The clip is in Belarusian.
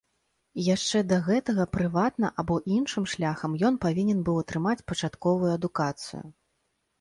Яшчэ да гэтага прыватна або іншым шляхам ён павінен быў атрымаць пачатковую адукацыю.